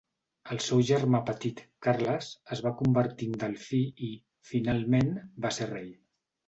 El seu germà petit, Carles, es va convertir en delfí i, finalment, va ser rei.